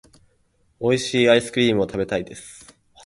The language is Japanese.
美味しいアイスクリームを食べたいです。